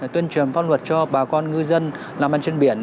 tuyên truyền pháp luật cho bà con ngư dân làm ăn trên biển